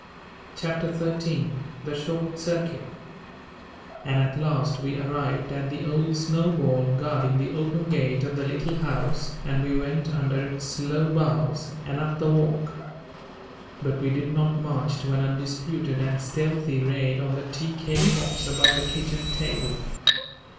CHAPTER XIII THE SHORT CIRCUIT And at last we arrived at the old snowball guarding the open gate of the Little House and we went under its low boughs and up the walk. But we did not march to an undisputed and stealthy raid on the tea cake box above the kitchen table.